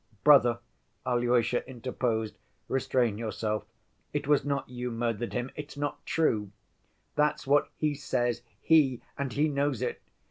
" "Brother," Alyosha interposed, "restrain yourself. It was not you murdered him. It's not true!" "That's what he says, he, and he knows it.